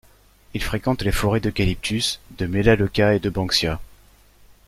Il fréquente les forêts d'eucalyptus, de Melaleuca et de banksia.